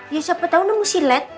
ya siapa tau namanya silet